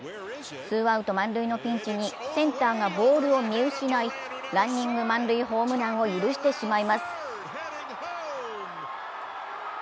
ツーアウト満塁のピンチにセンターがボールを見失いランニング満塁ホームランを許してしまいます。